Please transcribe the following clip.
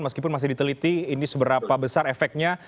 meskipun masih diteliti ini seberapa besar efeknya